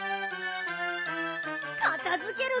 かたづけるぞ！